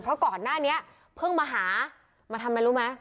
เพราะก่อนหน้านี้เพิ่งมาหามาทำอะไรรู้ไหม